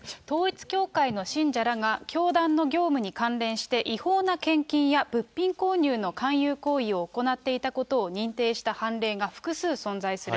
統一教会の信者らが教団の業務に関連して違法な献金や物品購入の勧誘行為を行っていたことを認定した判例が複数存在する。